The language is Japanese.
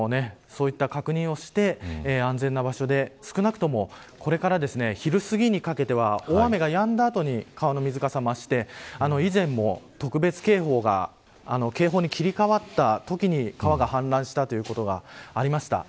ぜひ、そういった確認をして安全な場所で、少なくともこれから昼すぎにかけては大雨がやんだ後に川の水かさが増して以前も、特別警報が警報に切り替わったときに川が氾濫したことがありました。